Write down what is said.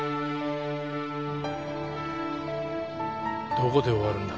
どこで終わるんだろうね